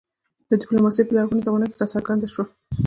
ډیپلوماسي په لرغونې زمانه کې راڅرګنده شوه